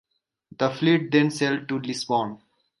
The fleet then sailed to Lisbon.